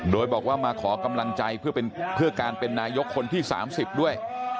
โดยบอกว่ามาขอกำลังใจเพื่อการเป็นนายกคนที่๓๐ด้วย